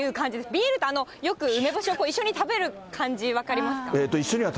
ビールとよく、梅干しを一緒に食べる感じ分かりますか？